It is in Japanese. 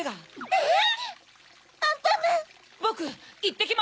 えっ！